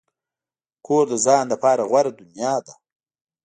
کور د ځان لپاره غوره دنیا ده.